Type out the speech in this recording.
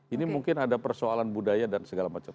ini mungkin ada persoalan budaya dan segala macam